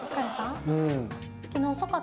うん。